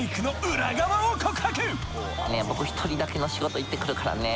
僕ひとりだけの仕事行ってくるからね。